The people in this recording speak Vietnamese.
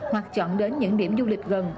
hoặc chọn đến những điểm du lịch gần